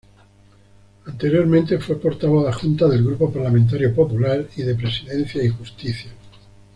Anteriormente, fue portavoz adjunta del Grupo Parlamentario Popular y de Presidencia y Justicia.